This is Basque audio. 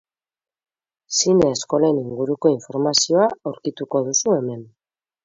Zine eskolen inguruko informazioa aurkituko duzu hemen.